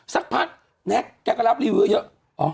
สักพักแน็กแกก็รับรีวิวเยอะ